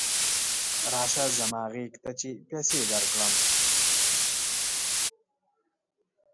راشه زما غېږې ته چې پیسې درکړم.